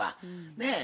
ねえ。